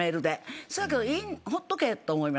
せやけどほっとけと思います。